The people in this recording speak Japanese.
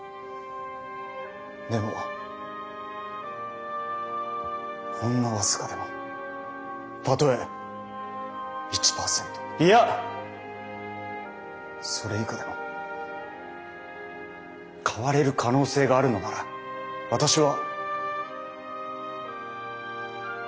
でもほんの僅かでもたとえ１％いやそれ以下でも変われる可能性があるのなら私は。